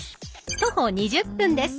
徒歩２０分です。